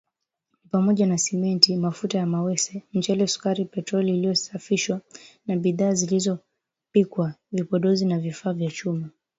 Ni pamoja na Simenti mafuta ya mawese mchele sukari petroli iliyosafishwa na bidhaa zilizopikwa vipodozi na vifaa vya chuma